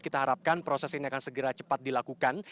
kita harapkan proses ini akan segera cepat dilakukan